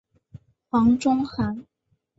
黄仲涵。